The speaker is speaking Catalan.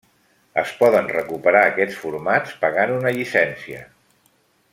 Es poden recuperar aquests formats pagant una llicència.